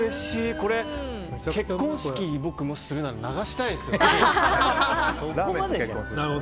これ、結婚式僕、するなら流したいですね。